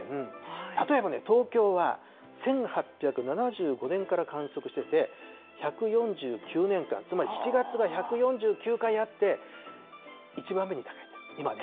例えばね、東京は１８７５年から観測してて、１４９年間、つまり７月が１４９回あって、１番目に高い、今ね。